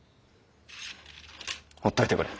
ほっといてくれ。